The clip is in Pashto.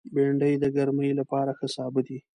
بېنډۍ د ګرمۍ لپاره ښه سابه دی